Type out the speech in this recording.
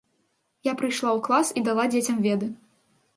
Я прыйшла ў клас і дала дзецям веды.